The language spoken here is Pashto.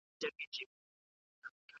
د څېړني په هر پړاو کي مشوره اخیستل اړین دي.